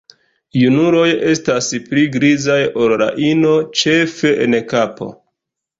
Junuloj estas pli grizaj ol la ino, ĉefe en kapo.